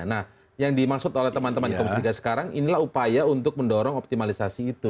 nah yang dimaksud oleh teman teman di komisi tiga sekarang inilah upaya untuk mendorong optimalisasi itu